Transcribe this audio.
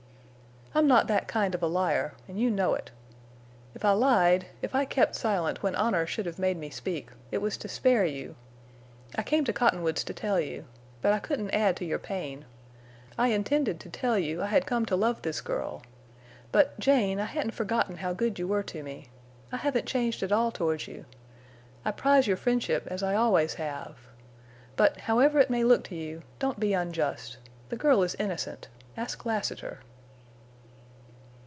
"I'm not that kind of a liar. And you know it. If I lied—if I kept silent when honor should have made me speak, it was to spare you. I came to Cottonwoods to tell you. But I couldn't add to your pain. I intended to tell you I had come to love this girl. But, Jane I hadn't forgotten how good you were to me. I haven't changed at all toward you. I prize your friendship as I always have. But, however it may look to you—don't be unjust. The girl is innocent. Ask Lassiter."